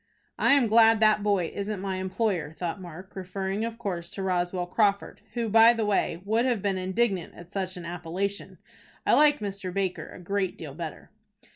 "I am glad that boy isn't my employer," thought Mark, referring of course to Roswell Crawford, who, by the way, would have been indignant at such an appellation. "I like Mr. Baker a great deal better."